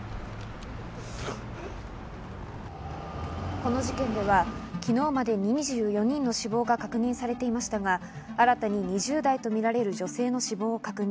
この事件では昨日までに２４人の死亡が確認されていましたが、新たに２０代とみられる女性の死亡が確認。